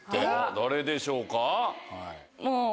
誰でしょうか？